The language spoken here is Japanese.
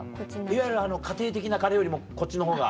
いわゆるあの家庭的なカレーよりもこっちのほうが。